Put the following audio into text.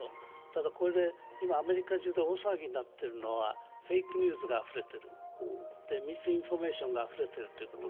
ただ、これで今、アメリカ中で大騒ぎになっているのは、フェイクニュースがあふれている、ミスインフォメーションがあふれているということ。